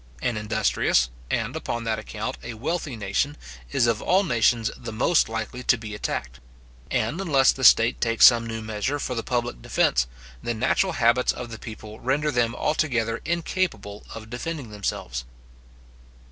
An industrious, and, upon that account, a wealthy nation, is of all nations the most likely to be attacked; and unless the state takes some new measure for the public defence, the natural habits of the people render them altogether incapable of defending themselves.